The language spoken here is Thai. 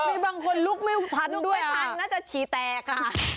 มีบางคนลุกไม่ทันลุกไม่ทันน่าจะฉี่แตกอ่ะ